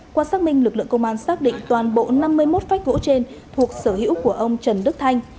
qua xác minh lực lượng công an xác định toàn bộ năm mươi một phách gỗ trên thuộc sở hữu của ông trần đức thanh